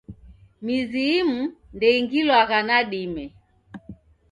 Mizi imu ndeingilwagha nadime